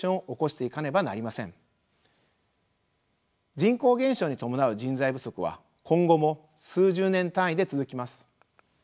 人口減少に伴う人材不足は今後も数十年単位で続きます。